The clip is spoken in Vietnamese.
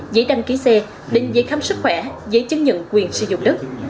giấy đăng ký xe đến giấy khám sức khỏe giấy chứng nhận quyền sử dụng đất